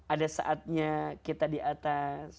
ada saatnya kita di atas